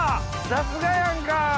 さすがやんか！